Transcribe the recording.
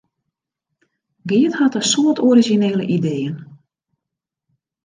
Geart hat in soad orizjinele ideeën.